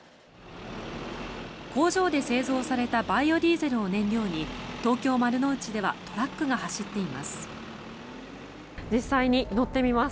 工場で製造されたバイオディーゼルを燃料に東京・丸の内ではトラックが走っています。